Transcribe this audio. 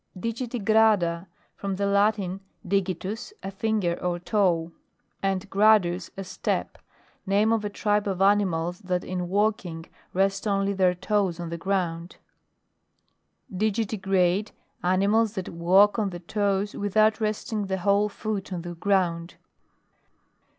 DIGITIGRADA. From the Latin digi tus, a finger or toe, and gradus, a step. Name of a tribe of animals that in walking rest only their toes on the ground. DIGITIGRADE. Animals that walk on the toes, without resting the whole foot on the ground.